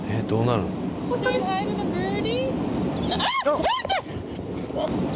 どうなるの？